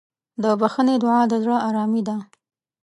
د بښنې دعا د زړه ارامي ده.